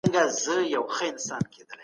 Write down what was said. ښه ذهنیت ژوند نه خرابوي.